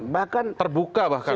bahkan terbuka bahkan